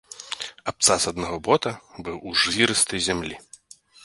Абцас аднаго бота быў у жвірыстай зямлі.